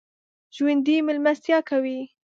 ژوندي مېلمستیا کوي